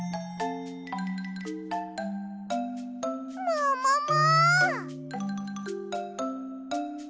ももも！